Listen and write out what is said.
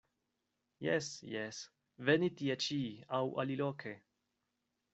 Jes, jes, veni tie-ĉi aŭ aliloke.